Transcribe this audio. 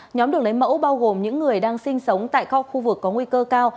nhóm được lấy mẫu bao gồm những người đang sinh sống tại kho khu vực có nguy cơ cao